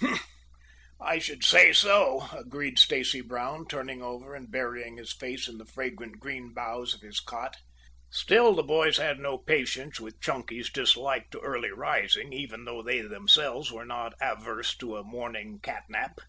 "Huh! I should say so," agreed Stacy Brown, turning over and burying his face in the fragrant green boughs of his cot. Still, the boys had no patience with Chunky's dislike to early rising, even though they themselves were not averse to a morning cat nap.